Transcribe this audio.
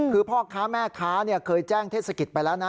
คือพ่อค้าแม่ค้าเคยแจ้งเทศกิจไปแล้วนะ